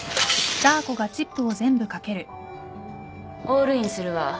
オールインするわ。